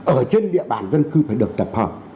ở trên địa bàn dân cư phải được tập hợp